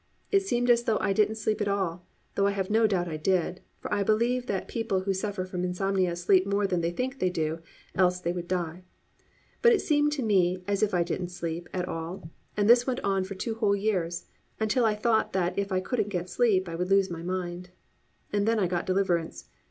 It seemed as though I didn't sleep at all, though I have no doubt I did: for I believe that people who suffer from insomnia sleep more than they think they do, else we would die: but it seemed as if I didn't sleep at all, and this went on for two whole years, until I thought that if I couldn't get sleep I would lose my mind. And then I got deliverance.